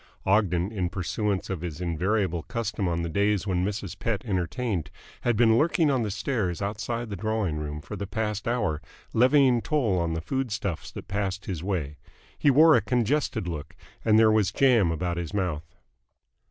Ogden, in pursuance of his invariable custom on the days when Mrs. Pett entertained, had been lurking on the stairs outside the drawing room for the past hour, levying toll on the food stuffs that passed his way. He wore a congested look, and there was jam about his mouth.